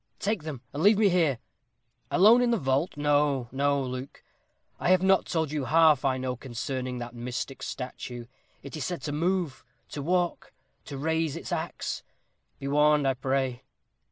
"Take them, and leave me here." "Alone in the vault? no, no, Luke, I have not told you half I know concerning that mystic statue. It is said to move to walk to raise its axe be warned, I pray."